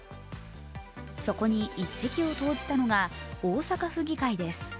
そこに一石を投じたのが大阪府議会です。